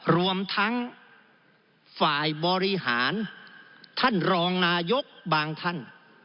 รวมทั้งฝ่ายบริหารท่านรองนายกบางท่าน